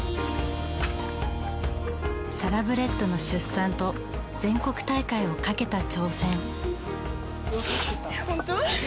サラブレッドの出産と全国大会をかけた挑戦。